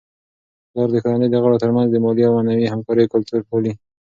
پلار د کورنی د غړو ترمنځ د مالي او معنوي همکاریو کلتور پالي.